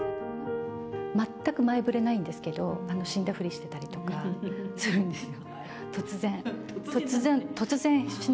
全く前ぶりないんですけど、死んだふりしてたりとか、するんですよ。